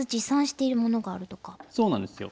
そうなんですよ。